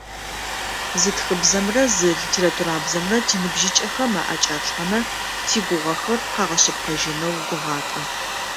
Зы тхыбзэмрэ зы литературабзэмрэ тиныбжьыкӀэхэм аӏэкӏатлъхьэмэ тигугъэхэр къагъэшъыпкъэжьынэу гугъапӏэ.